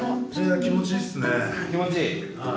気持ちいいっすねはい。